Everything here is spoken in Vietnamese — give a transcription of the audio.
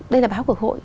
đây là báo của hội